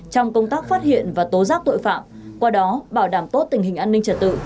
trong công tác phát hiện và tố giác tội phạm qua đó bảo đảm tốt tình hình an ninh trật tự